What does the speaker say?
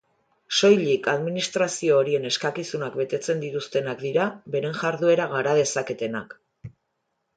Soilik administrazio horien eskakizunak betetzen dituztenak dira beren jarduera gara dezaketenak.